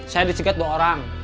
saya disegat dua orang